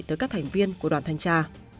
tới các thành viên của đoàn thanh tra